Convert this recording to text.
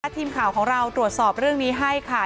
ทีมข่าวของเราตรวจสอบเรื่องนี้ให้ค่ะ